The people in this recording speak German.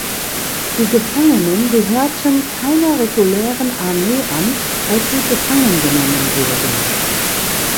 Die Gefangenen gehörten keiner regulären Armee an, als sie gefangen genommen wurden.